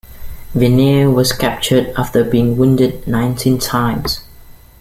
Venner was captured after being wounded nineteen times.